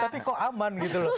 tapi kok aman gitu loh